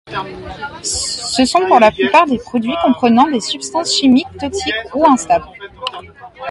Ce sont pour la plupart des produits comprenant des substances chimiques toxiques ou instables.